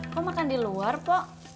kok makan di luar po